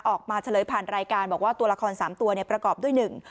เฉลยผ่านรายการบอกว่าตัวละครสามตัวเนี่ยประกอบด้วยหนึ่ง